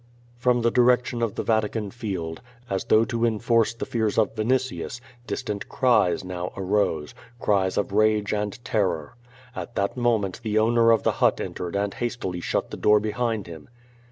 '' From the direction of the Vatican Field, as though to en force the fears of Vinitius, distant cries now arose, cries of rage and terror. At that moment the owner of the hut en tered and hastily shut the door behind him.